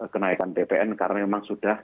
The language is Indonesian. kenaikan bpn karena memang sudah